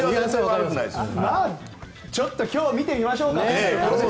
まあ、ちょっと今日見てみましょうか。